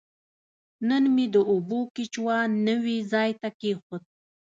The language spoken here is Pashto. نن مې د اوبو کیچوا نوي ځای ته کیښود.